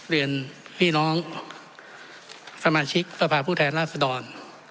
เรียนพี่น้องสมาชิกสภาพผู้แทนราชดร